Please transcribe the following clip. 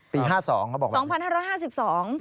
ปี๕๒เขาบอกแบบนี้นี่๒๕๕๒